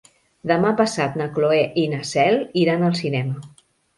Demà passat na Cloè i na Cel iran al cinema.